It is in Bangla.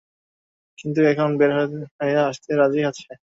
কিন্তু এখন বের হয়ে আসতে রাজি আছে।